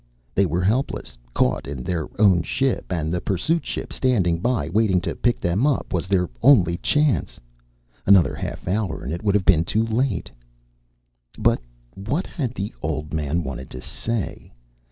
They were helpless, caught in their own ship, and the pursuit ship standing by waiting to pick them up was their only chance. Another half hour and it would have been too late. But what had the Old Man wanted to say?